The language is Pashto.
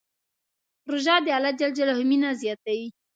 روژه د الله مینه زیاتوي.